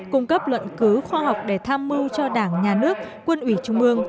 cung cấp luận cứu khoa học để tham mưu cho đảng nhà nước quân ủy trung ương